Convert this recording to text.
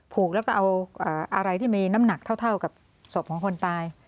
ผูกแล้วก็เอาอะไรที่มีน้ำหนักเท่ากับศพของคนตาย